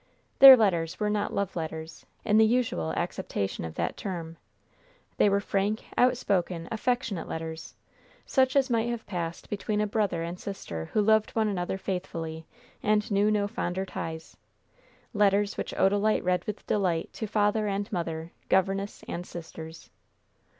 Their letters were not love letters, in the usual acceptation of that term. They were frank, outspoken, affectionate letters, such as might have passed between a brother and sister who loved one another faithfully, and knew no fonder ties; letters which Odalite read with delight to father and mother, governess and sisters.